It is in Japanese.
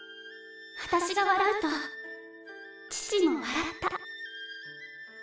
私が笑うと父も笑った。